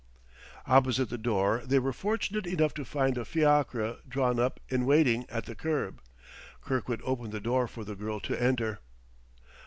Opposite the door they were fortunate enough to find a fiacre drawn up in waiting at the curb. Kirkwood opened the door for the girl to enter.